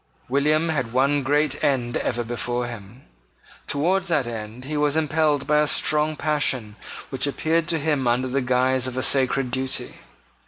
William had one great end ever before him. Towards that end he was impelled by a strong passion which appeared to him under the guise of a sacred duty.